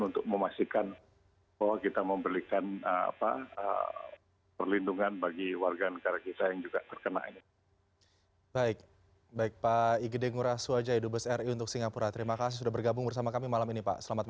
untuk memastikan bahwa kita memberikan perlindungan bagi warga negara kita yang juga terkena ini pak